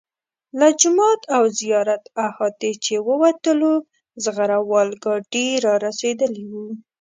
له جومات او زیارت احاطې چې ووتلو زغره وال ګاډي را رسېدلي وو.